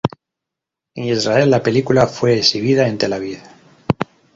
En Israel, la película fue exhibida en Tel Aviv.